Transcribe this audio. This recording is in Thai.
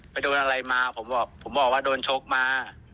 ไปโดนอะไรมาผมบอกว่าโดนโชคมา